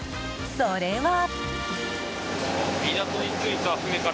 それは。